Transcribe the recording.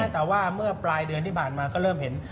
แต่ว่าเมื่อปลายเดือนที่ผ่านมาก็เริ่มเห็น